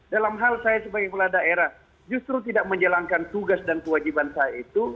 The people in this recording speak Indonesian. dalam hal saya sebagai kepala daerah justru tidak menjalankan tugas dan kewajiban saya itu